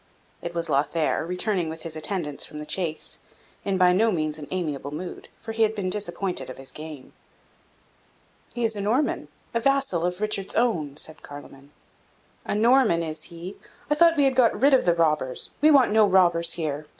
It was Lothaire, returning with his attendants from the chase, in by no means an amiable mood, for he had been disappointed of his game. "He is a Norman a vassal of Richard's own," said Carloman. "A Norman, is he? I thought we had got rid of the robbers! We want no robbers here!